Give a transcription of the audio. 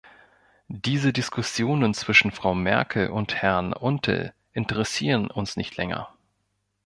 Diese Diskussionen zwischen Frau Merkel und Herrn Untel interessieren uns nicht länger.